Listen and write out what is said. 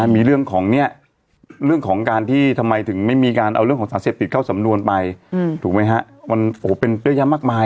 มีเรื่องของเนี่ย